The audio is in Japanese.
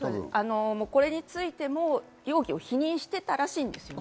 これについても容疑を否認してたらしいんですよね。